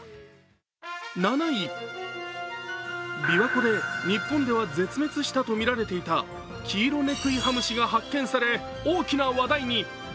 琵琶湖で日本では絶滅したとみられていたキイロネクイハムシが発見され大きな話題に。